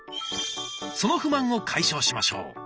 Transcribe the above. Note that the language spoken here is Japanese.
その不満を解消しましょう。